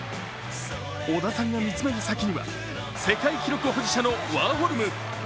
織田さんが見つめる先には世界記録保持者のワーホルム。